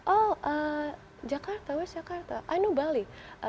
oh jakarta where is jakarta i know bali